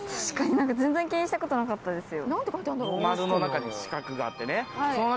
全然気にしたことなかったです。